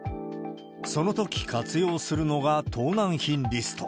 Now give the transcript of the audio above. そのとき活用するのが盗難品リスト。